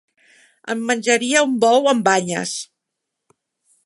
Em menjaria un bou amb banyes.